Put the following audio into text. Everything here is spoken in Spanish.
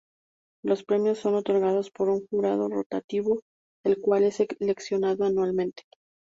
Los premios son otorgados por un jurado rotativo, el cual es seleccionado anualmente.